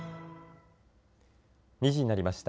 ２時になりました。